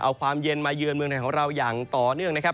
เอาความเย็นมาเยือนเมืองไทยของเราอย่างต่อเนื่องนะครับ